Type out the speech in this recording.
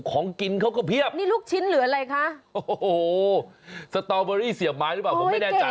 ของกินเขาก็เพียบนี่ลุกชิ้นหรืออะไรคะฮะโอ้เสียมไม้หรือเปล่าผมไม่แน่ใจ